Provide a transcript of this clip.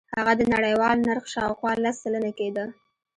هغه د نړیوال نرخ شاوخوا لس سلنه کېده.